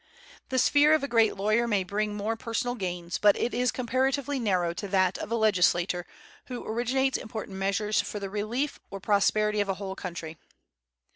The sphere of a great lawyer may bring more personal gains, but it is comparatively narrow to that of a legislator who originates important measures for the relief or prosperity of a whole country.